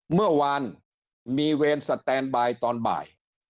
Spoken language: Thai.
เมื่อวานมีเวรสแตนบายตอนบ่าย